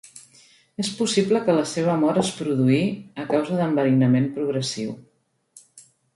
És possible que la seva mort es produí a causa d'enverinament progressiu.